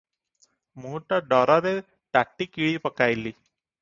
ମୁଁ ତ ଡରରେ ତାଟି କିଳିପକାଇଲି ।